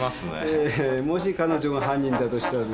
もし彼女が犯人だとしたらですね。